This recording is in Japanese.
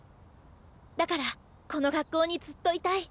だからこの学校にずっといたい。